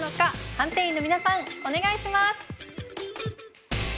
判定員の皆さんお願いします。